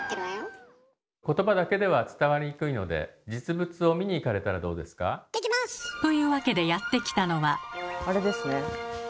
言葉だけでは伝わりにくいので実物を見に行かれたらどうですか？というわけでやって来たのは。